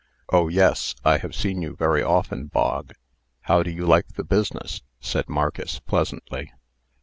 "Oh, yes; I have seen you very often, Bog. How do you like the business?" said Marcus, pleasantly.